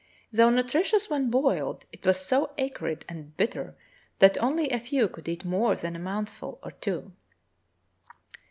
Though nutritious when boiled, it was so acrid and bitter that only a few could eat more than a mouthful or two.